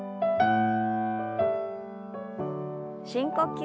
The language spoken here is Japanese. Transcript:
深呼吸。